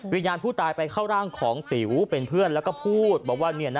วิญญาณผู้ตายไปเข้าร่างของติ๋วเป็นเพื่อนแล้วก็พูดบอกว่า